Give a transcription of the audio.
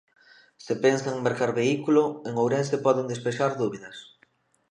Se pensan mercar vehículo, en Ourense poden despexar dúbidas.